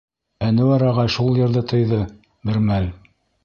Әнүәр ағай шул йырҙы тыйҙы бер мәл.